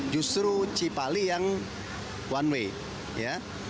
justru cipali yang one way ya